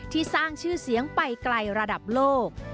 ที่สร้างชื่อเสียงไปไกลระดับโลก